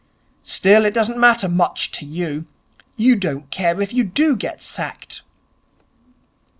'Still, it doesn't matter much to you. You don't care if you do get sacked.'